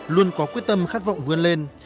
luôn có quyết tâm khát vọng vươn lên